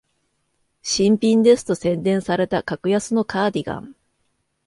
新品ですと宣伝された格安のカーディガン